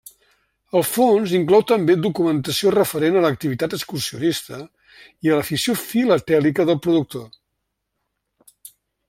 El fons inclou també documentació referent a l'activitat excursionista i a l'afició filatèlica del productor.